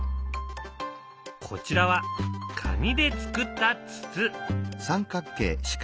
こちらは紙でつくった筒。